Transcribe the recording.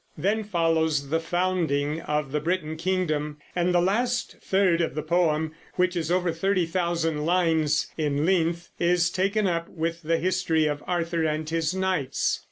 Then follows the founding of the Briton kingdom, and the last third of the poem, which is over thirty thousand lines in length, is taken up with the history of Arthur and his knights.